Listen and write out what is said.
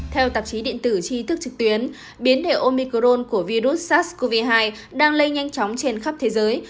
theo tạp chí điện tử tri thức trực tuyến biến hiệu omicron của virus sars cov hai đang lây nhanh chóng trên khắp thế giới